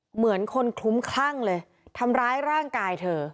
เหมือนคนคลุ้มคลั่งเลยทำร้ายร่างกายเธอ